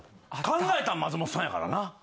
考えたん松本さんやからな。